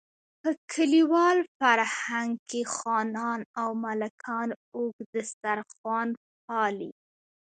په کلیوال فرهنګ کې خانان او ملکان اوږد دسترخوان پالي.